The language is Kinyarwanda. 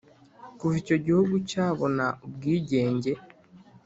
kuva icyo gihugu cyabona ubwigenge.